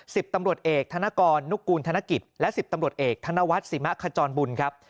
สิบตำรวจเอกธนกรนุกูลธนกิจและสิบตำรวจเอกธนวัฒน์สิมะขจรบุญครับ